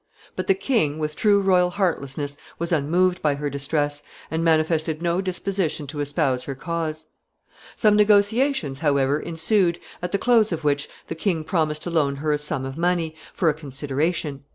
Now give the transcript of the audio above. But the king, with true royal heartlessness, was unmoved by her distress, and manifested no disposition to espouse her cause. [Sidenote: Negotiations.] Some negotiations, however, ensued, at the close of which the king promised to loan her a sum of money for a consideration.